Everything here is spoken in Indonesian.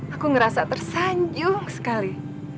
aku ngerasa tersanyung sekali